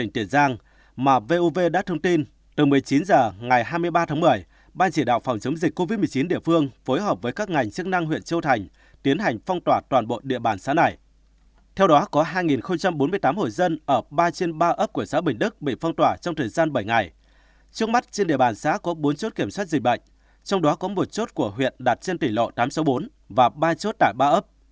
trước mắt trên địa bàn xã có bốn chốt kiểm soát dịch bệnh trong đó có một chốt của huyện đặt trên tỉ lộ tám trăm sáu mươi bốn và ba chốt tại ba ấp